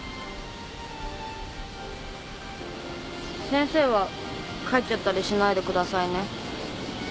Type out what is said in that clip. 先生は帰っちゃったりしないでくださいね。